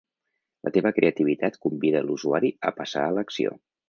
La teva creativitat convida l'usuari a passar a l'acció.